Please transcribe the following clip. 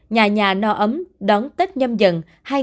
nhà nhà no ấm đón tết nhâm dần hai nghìn hai mươi